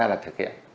là thực hiện